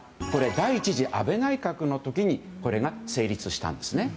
第１次安倍内閣の時にこれが成立したんですね。